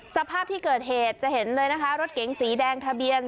สภาพที่เกิดเหตุจะเห็นเลยนะคะรถเก๋งสีแดงทะเบียน